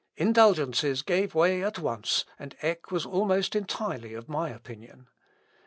"Indulgences gave way at once, and Eck was almost entirely of my opinion."